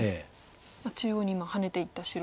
中央に今ハネていった白。